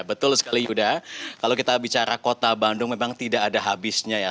betul sekali yuda kalau kita bicara kota bandung memang tidak ada habisnya ya